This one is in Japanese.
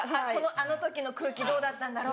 あの時の空気どうだったんだろうってね。